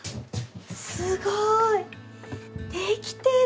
すごい出来てる。